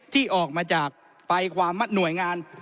ที่ออกมาจากหน่วยงาน